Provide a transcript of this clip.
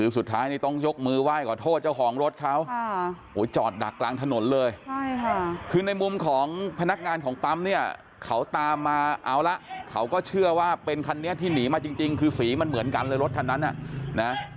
สุดท้ายนี่ต้องยกมือไหว้ขอโทษเจ้าของรถเขาจอดดักกลางถนนเลยคือในมุมของพนักงานของปั๊มเนี่ยเขาตามมาเอาละเขาก็เชื่อว่าเป็นคันนี้ที่หนีมาจริงคือสีมันเหมือนกันเลยรถคันนั้นน่ะนะ